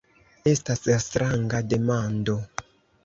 Estas stranga demando.